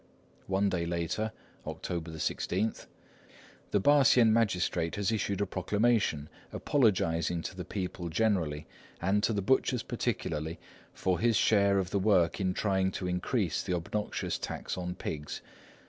One day later, October 16:— "The Pah shien magistrate has issued a proclamation apologising to the people generally, and to the butchers particularly, for his share of the work in trying to increase the obnoxious tax on pigs.